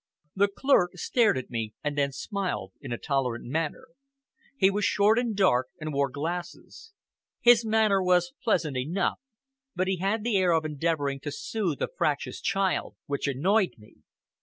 The clerk stared at me, and then smiled in a tolerant manner. He was short and dark, and wore glasses. His manner was pleasant enough, but he had the air of endeavoring to soothe a fractious child which annoyed me.